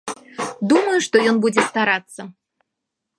Думаю, што ён будзе старацца.